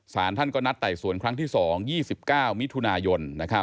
สารท่านก็นัดไต่สวนครั้งที่๒๒๙มิถุนายน